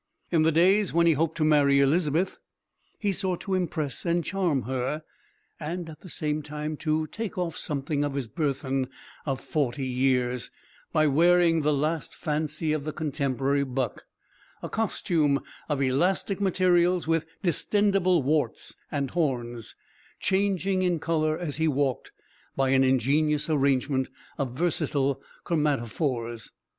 In the days when he hoped to marry Elizabeth, he sought to impress and charm her, and at the same time to take off something of his burthen of forty years, by wearing the last fancy of the contemporary buck, a costume of elastic material with distensible warts and horns, changing in colour as he walked, by an ingenious arrangement of versatile chromatophores.